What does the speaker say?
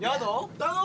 頼む！